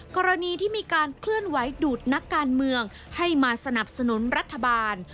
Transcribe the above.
กรณีที่มีการเคลื่อนไหวดูดนักการเมืองให้มาสนับสนุนรัฐบาล